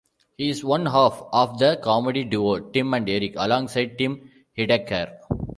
He is one half of the comedy duo Tim and Eric, alongside Tim Heidecker.